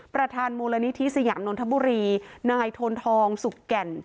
ประธานมูลนิธิสยามนนทบุรีนายโทนทองสุกแก่น